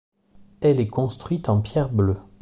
Elle est construite en pierre bleue.